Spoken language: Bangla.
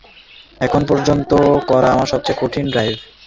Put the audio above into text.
এখন পর্যন্ত করা আমার সবচেয়ে কঠিন ডাইভ।